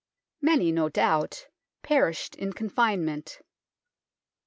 Many, no doubt, perished in confinement.